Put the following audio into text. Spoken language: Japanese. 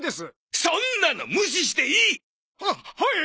そんなの無視していい！ははい！